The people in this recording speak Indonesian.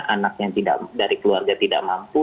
anak yang dari keluarga tidak mampu